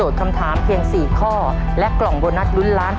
ซิราษฐาน